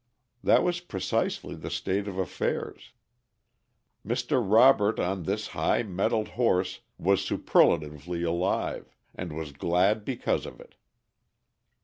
That was precisely the state of affairs. Mr. Robert on this high mettled horse was superlatively alive, and was glad because of it.